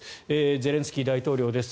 ゼレンスキー大統領です。